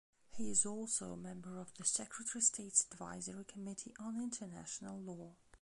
He is also member of the Secretary State's Advisory Committee on International Law.